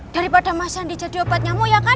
daripada mas sandi jadi obat nyamuk ya kan